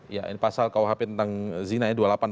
ya ini pasal kuhp tentang zina dua ratus delapan puluh empat